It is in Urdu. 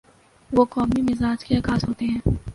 وہ قومی مزاج کے عکاس ہوتے ہیں۔